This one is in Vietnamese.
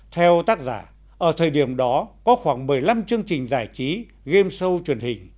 theo tác giả ở thời điểm đó có khoảng một mươi năm chương trình giải trí game show truyền hình